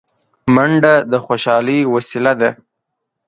منډه د خوشحالۍ وسیله ده